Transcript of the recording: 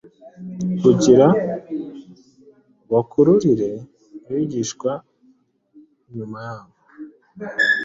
kugira bakururire abigishwa inyuma yabo.”